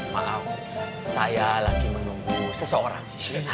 maaf saya lagi menunggu seseorang